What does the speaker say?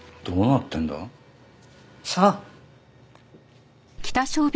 どうなってんだ？さあ。